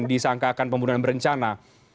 disangkakan pembunuhan berencana